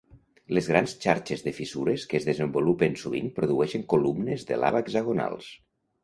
Les grans xarxes de fissures que es desenvolupen sovint produeixen columnes de lava hexagonals.